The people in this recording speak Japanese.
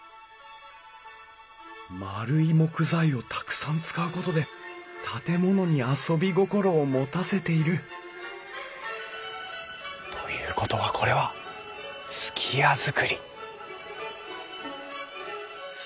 丸い木材をたくさん使うことで建物に遊び心を持たせているということはこれは数寄屋造り。